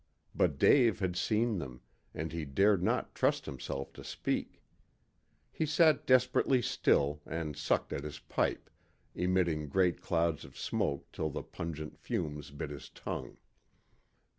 But Dave had seen them, and he dared not trust himself to speak. He sat desperately still and sucked at his pipe, emitting great clouds of smoke till the pungent fumes bit his tongue.